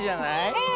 うん。